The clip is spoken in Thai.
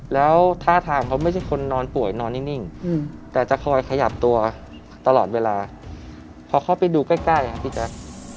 แล้วท่าทางเขาไม่ใช่คนนอนป่วยนอนนิ่งแต่จะคอยขยับตัวตลอดเวลาพอเข้าไปดูใกล้ครับพี่แจ๊ค